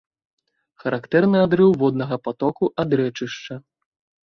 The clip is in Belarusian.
Характэрны адрыў воднага патоку ад рэчышча.